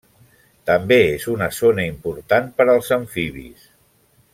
També és una zona important per als amfibis.